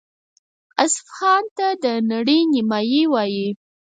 اصفهان ته د نړۍ نیمایي وايي.